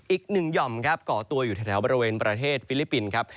อีกหนึ่งหย่อมครับก่อตัวอยู่แถวบริเวณประเทศฟิลิปปินส์ครับ